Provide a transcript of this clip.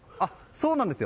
そうなんですよ。